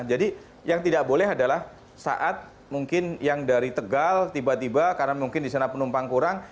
jadi yang tidak boleh adalah saat mungkin yang dari tegal tiba tiba karena mungkin di sana penumpang kurang